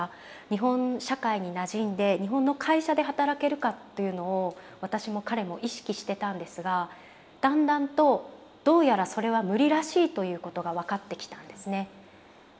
日本社会になじんで日本の会社で働けるかというのを私も彼も意識してたんですがだんだんとどうやらそれは無理らしいということが分かってきたんですね。